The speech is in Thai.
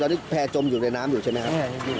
ตอนนี้แพร่จมอยู่ในน้ำอยู่ใช่ไหมครับ